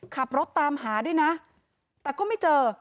ขับรถตามหาด้วยนะแต่ก็ไม่เจอ